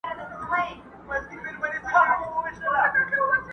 ستړي به پېړۍ سي چي به بیا راځي اوبه ورته!!